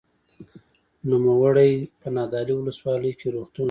نوموړی په نادعلي ولسوالۍ کې روغتون لري.